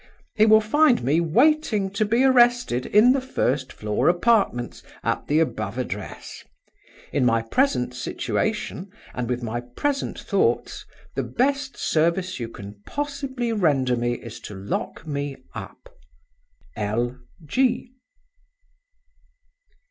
He will find me waiting to be arrested in the first floor apartments, at the above address. In my present situation, and with my present thoughts, the best service you can possibly render me is to lock me up. "L. G." 8.